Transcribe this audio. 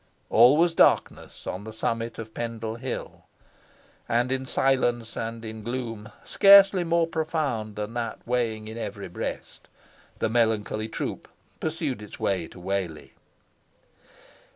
All was darkness on the summit of Pendle Hill. And in silence and in gloom scarcely more profound than that Weighing in every breast, the melancholy troop pursued its way to Whalley.